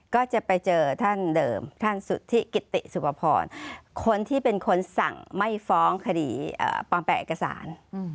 ก็จะไปเจอท่านเดิมท่านสุธิกิติสุภพรคนที่เป็นคนสั่งไม่ฟ้องคดีปลอมแปลงเอกสาร